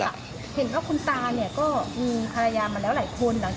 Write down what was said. เห็นว่าคุณตาก็นี่มีทรายยามมาหลายคน